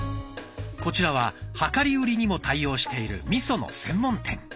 こちらは量り売りにも対応しているみその専門店。